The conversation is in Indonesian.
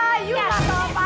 wah you masalah paman